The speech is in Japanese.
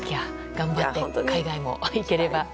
頑張って海外も行ければ。